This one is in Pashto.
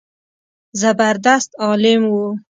زبردست عالم و.